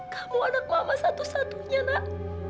kamu anak mama satu satunya nak